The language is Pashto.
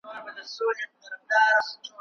دا ځواب د سانسور ښکارندوی دی.